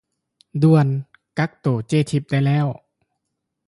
ດ່ວນ! ກັກໂຕເຈ້ທິບໄດ້ແລ້ວ